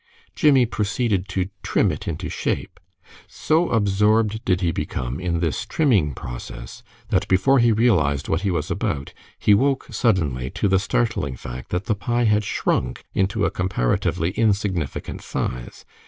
Jimmie proceeded to trim it into shape. So absorbed did he become in this trimming process, that before he realized what he was about, he woke suddenly to the startling fact that the pie had shrunk into a comparatively insignificant size.